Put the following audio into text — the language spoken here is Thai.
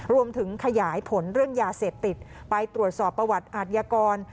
รวมถึงขยายผลเรื่องยาเสพติดไปตรวจสอบประวัติอาทยากร